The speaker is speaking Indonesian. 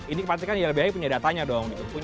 ini pasti kan ilbh punya datanya dong